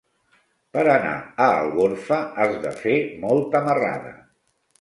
Per anar a Algorfa has de fer molta marrada.